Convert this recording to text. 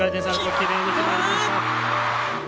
きれいに決まりました。